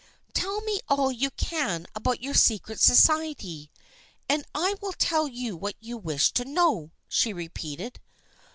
" Tell me all you can about your secret society, and I will then tell you what you wish to know," she repeated.